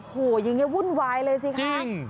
โอ้โหอย่างนี้วุ่นวายเลยสิคะ